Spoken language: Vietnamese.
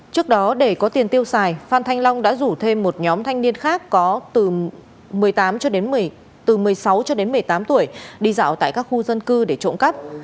trước đó để có tiền tiêu xài phan thanh long đã rủ thêm một nhóm thanh niên khác có từ một mươi sáu một mươi tám tuổi đi dạo tại các khu dân cư để trộm cắt